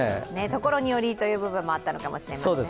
所によりという部分もあったのかもしれません。